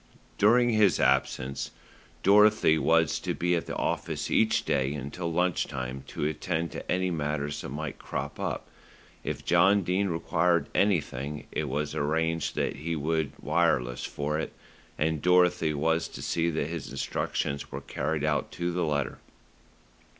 During his absence, Dorothy was to be at the office each day until lunch time to attend to any matters that might crop up. If John Dene required anything, it was arranged that he would wireless for it, and Dorothy was to see that his instructions were carried out to the letter.